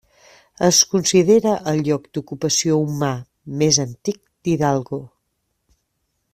Es considera el lloc d'ocupació humà més antic d'Hidalgo.